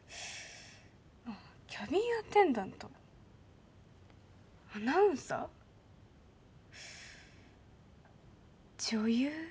キャビンアテンダントアナウンサー女優